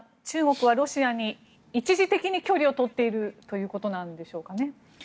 中国はロシアに一時的に距離を取っているということなんでしょうかね。